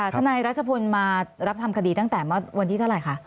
ทนายรัชพลมารับทำคดีตั้งแต่วันที่เท่าไหร่คะ